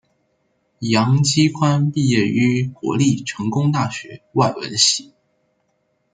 杨基宽毕业于国立成功大学外文系。